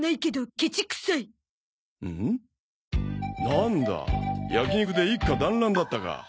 なんだ焼き肉で一家だんらんだったか。